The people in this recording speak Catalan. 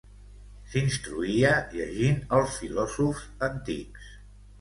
S'instruïa llegint els filòsofs antics.